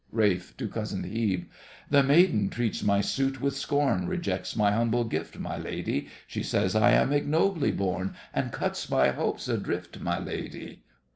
RALPH (to COUSIN HEBE). The maiden treats my suit with scorn, Rejects my humble gift, my lady; She says I am ignobly born, And cuts my hopes adrift, my lady.